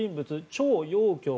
チョウ・ヨウキョウ